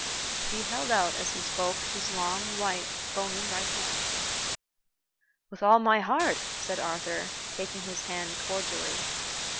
He held out, as he spoke, his long, white, bony right hand. "With all my heart," said Arthur, taking his hand cordially.